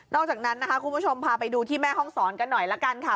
อกจากนั้นนะคะคุณผู้ชมพาไปดูที่แม่ห้องศรกันหน่อยละกันค่ะ